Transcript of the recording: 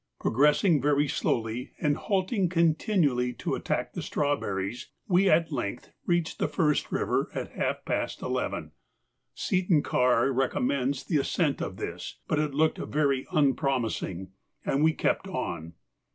Progressing very slowly, and halting continually to attack the strawberries, we at length reached the first river at half past eleven. Seton Karr recommends the ascent of this, but it looked very unpromising and we kept on.